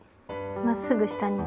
まっすぐ下に。